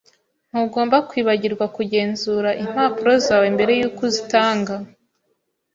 Ntugomba kwibagirwa kugenzura impapuro zawe mbere yuko uzitanga.